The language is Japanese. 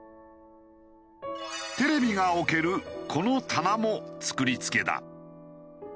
テレビが置けるこの棚も造り付けだ。